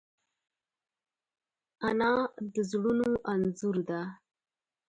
انا د زړونو انځور ده